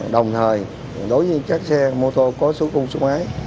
đồng thời đối với các xe mô tô có số cung số máy